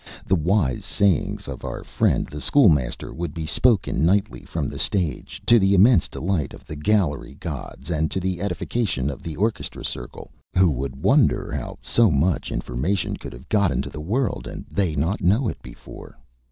The wise sayings of our friend the School Master would be spoken nightly from the stage, to the immense delight of the gallery gods, and to the edification of the orchestra circle, who would wonder how so much information could have got into the world and they not know it before.